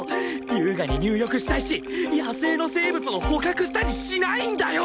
優雅に入浴したいし野生の生物を捕獲したりしないんだよ！